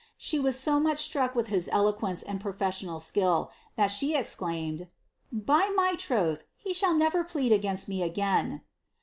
She was so much struck with his eloquence and professional skill, that she exclaimed, ^ By my troth, he shall never plea j against me again."